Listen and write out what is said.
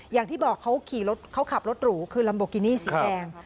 อย่างที่บอกเขาขี่รถเขาขับรถหรูคือลัมโบกินี่สีแดง